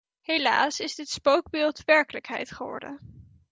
Helaas is dit spookbeeld werkelijkheid geworden.